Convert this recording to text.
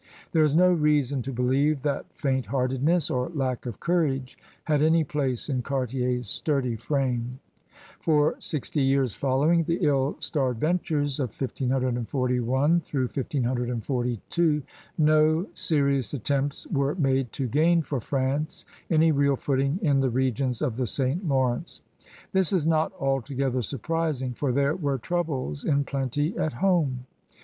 There is no reason to believe that f aint heartedness or lack of courage had any place in Cartier's sturdy frame. For sixty years following the ill starred ventures of 1541 1542 no serious attempts were made to gain for France any real footing in the r^ons of the St. Lawrence. This is not altogether sur prising, for there were troubles in plenty at home.